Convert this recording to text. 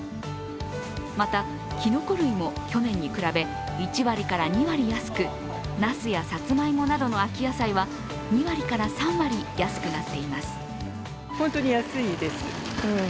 また、きのこ類も去年に比べ１割から２割安くなすやさつまいもなどの秋野菜は２割から３割、安くなっています。